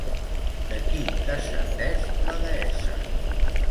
De qui descendeix la deessa?